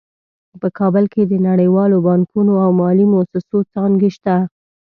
په کابل کې د نړیوالو بانکونو او مالي مؤسسو څانګې شته